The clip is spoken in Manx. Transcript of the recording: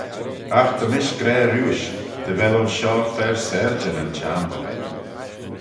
Agh ta mish gra riuish, dy vel ayns shoh fer syrjey na'n chiamble.